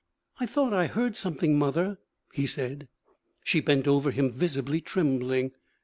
'I thought I heard something, mother,' he said. She bent over him, visibly trembling.